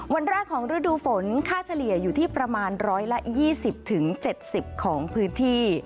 วันแรกของฤดูฝนค่าเฉลี่ยอยู่ที่ประมาณ๑๒๐๗๐ของพื้นที่